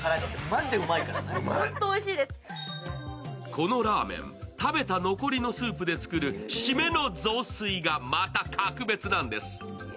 このラーメン、食べた残りのスープで作る締めの雑炊がまた格別なんです。